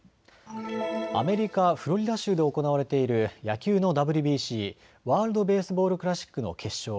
アメリカ・フロリダ州で行われている野球のＷＢＣ・ワールド・ベースボール・クラシックの決勝。